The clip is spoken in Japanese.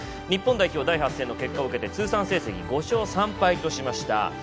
日本代表第８戦の結果を受けて通算成績５勝３敗としました。